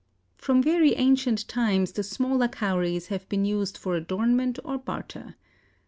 From very ancient times the smaller Cowries have been used for adornment or barter.